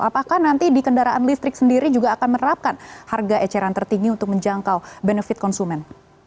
apakah nanti di kendaraan listrik sendiri juga akan menerapkan harga eceran tertinggi untuk menjangkau benefit konsumen